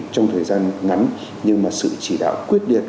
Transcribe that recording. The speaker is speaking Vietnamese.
trong thời gian ngắn nhưng mà sự chỉ đạo quyết liệt